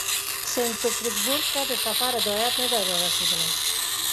سینټ پیټرزبورګ ته د سفر هدایت نه دی را رسېدلی.